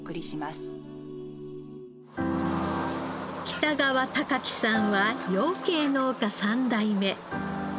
北川貴基さんは養鶏農家３代目。